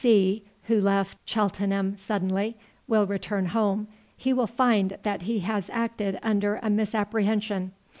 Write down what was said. C., who left Cheltenham suddenly, will return home he will find that he has acted under a misapprehension.